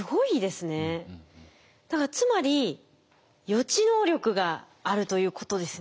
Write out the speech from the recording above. だからつまり予知能力があるということですね。